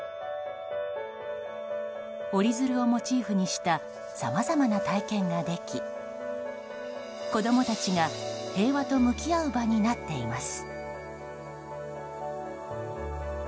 折り鶴をモチーフにしたさまざまな体験ができ子供たちが平和と向き合う場になっています。